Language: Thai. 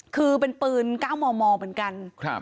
คือเป็นปืน๙มมเหมือนกัน